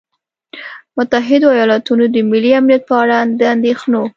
متحدو ایالتونو د ملي امنیت په اړه د اندېښنو